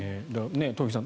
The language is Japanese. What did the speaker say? トンフィさん